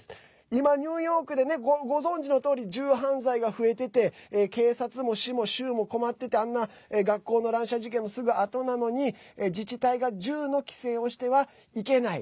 今、ニューヨークでねご存じのとおり銃犯罪が増えてて警察も市も州も困っててあんな、学校の乱射事件のすぐあとなのに自治体が銃の規制をしてはいけない。